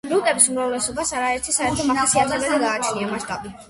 რუკების უმრავლესობას არაერთი საერთო მახასიათებელი გააჩნია.